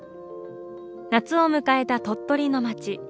夏を迎えた鳥取の町。